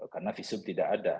karena visum tidak ada